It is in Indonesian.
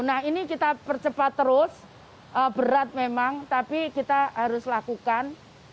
nah ini kita percepat terus berat memang tapi kita harus lakukan